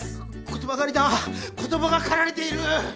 言葉狩りだ言葉が狩られている！